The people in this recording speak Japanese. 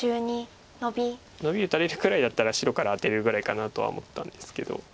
ノビ打たれるくらいだったら白からアテるぐらいかなとは思ったんですけど。